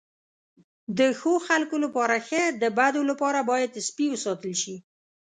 د ښو خلکو لپاره ښه، د بدو لپاره باید سپي وساتل شي.